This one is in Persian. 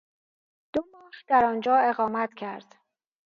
دو ماه درآنجا اقامت کرد